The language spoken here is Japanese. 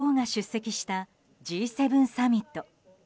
去年、女王が出席したＧ７サミット。